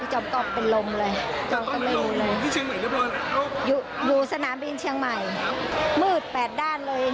พี่จอมกลอบเป็นลมเลยอยู่สนามบินเชียงใหม่มืดแปดด้านเลย